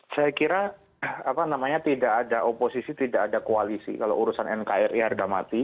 saya kira apa namanya tidak ada oposisi tidak ada koalisi kalau urusan nkrir udah mati